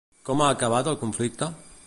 Com ha acabat el conflicte?